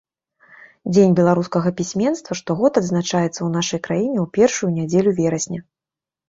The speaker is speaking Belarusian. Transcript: Дзень беларускага пісьменства штогод адзначаецца ў нашай краіне ў першую нядзелю верасня.